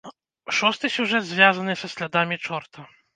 Шосты сюжэт звязаны са слядамі чорта.